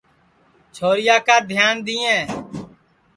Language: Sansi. چھورِیا کا دھِیان دِؔئیں